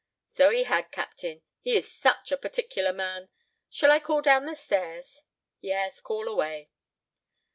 "So he had, captain. He is such a particular man! Shall I call down the stairs?" "Yes, call away."